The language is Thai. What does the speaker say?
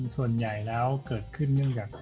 ส่วนใหญ่แล้วเกิดขึ้นเนื่องจาก